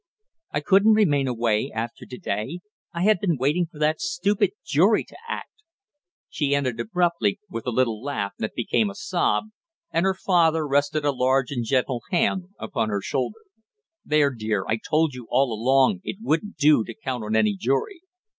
"I couldn't remain away after to day; I had been waiting for that stupid jury to act " She ended abruptly with a little laugh that became a sob, and her father rested a large and gentle hand upon her shoulder. "There, dear, I told you all along it wouldn't do to count on any jury!"